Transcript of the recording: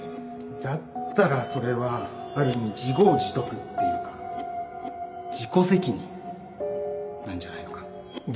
だったらそれはある意味自業自得っていうか自己責任なんじゃないのか？